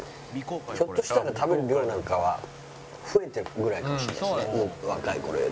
ひょっとしたら食べる量なんかは増えてるぐらいかもしれないですね